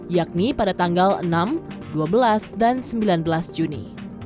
yakni pada tanggal enam dua belas dan sembilan belas juni